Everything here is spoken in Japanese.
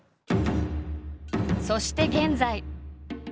そして現在。